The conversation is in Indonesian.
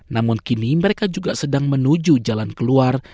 namun kini mereka juga sedang menuju jalan keluar